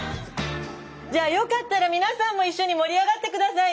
じゃよかったら皆さんも一緒に盛り上がって下さいね！